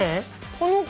この子。